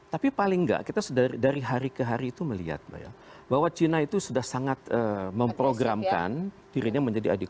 tapi paling nggak kita dari hari ke hari itu melihat bahwa china itu sudah sangat memprogramkan dirinya menjadi adik